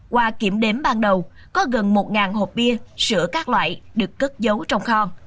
qua kiểm đếm ban đầu có gần một hộp bia sữa các loại được cất giấu trong kho